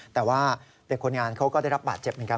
แต่ว่าเด็กคนงานเขาก็ได้รับบาดเจ็บเหมือนกัน